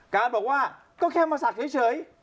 การบอกว่าก็แค่มาศักดิ์เฉย